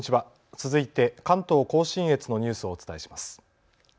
続いて関東甲信越のニュースをお伝えします。